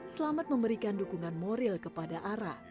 selamat memberikan dukungan moral kepada ara